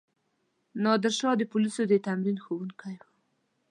نادرشاه د پولیسو د تمریناتو ښوونکی وو.